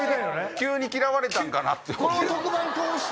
急に嫌われたんかなって思って。